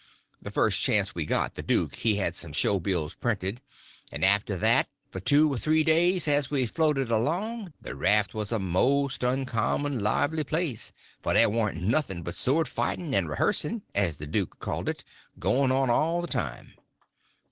The first chance we got, the duke he had some show bills printed; and after that, for two or three days as we floated along, the raft was a most uncommon lively place, for there warn't nothing but sword fighting and rehearsing—as the duke called it—going on all the time.